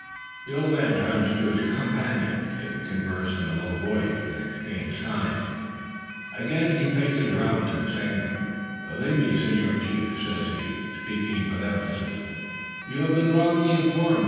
The old man turns to his companions. They converse in a low voice, and exchange signs. Again he faces round to Seguin. "Believe me, senor chief," says he, speaking with emphasis, "you have been wrongly informed.